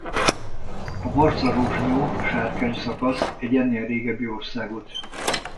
A Barcarozsnyó–Sárkány-szakasz egy ennél régebbi országút.